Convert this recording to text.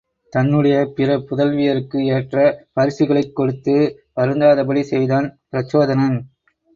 தன்னுடைய பிற புதல்வியருக்கு ஏற்ற பரிசுகளைக் கொடுத்து வருந்தாதபடி செய்தான் பிரச்சோதனன்.